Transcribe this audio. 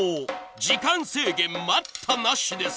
［時間制限待ったなしです］